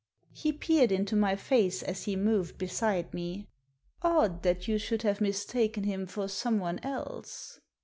He peered into my face as he moved beside me. "Odd that you should have mistaken him for someone else.